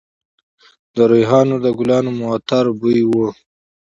د ریحانو د ګلانو معطر بوی و